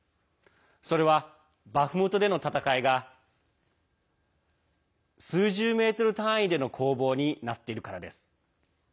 それは、バフムトでの戦いが数十メートル単位での攻防になっているからです。